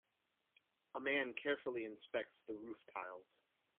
a man carefully inspects the roof tiles